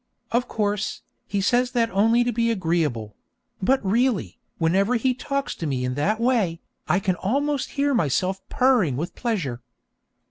Of course, he says that only to be agreeable; but really, whenever he talks to me in that way, I can almost hear myself purring with pleasure.